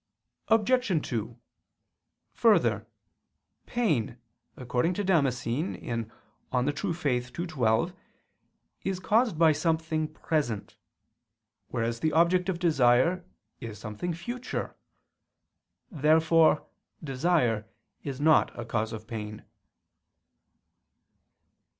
Obj. 2: Further, pain, according to Damascene (De Fide Orth. ii, 12), is caused by something present; whereas the object of desire is something future. Therefore desire is not a cause of pain.